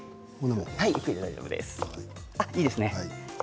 いいですね。